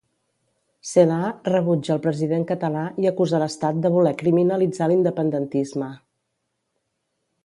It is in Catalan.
Celaá rebutja el president català i acusa l'Estat de voler criminalitzar l'independentisme.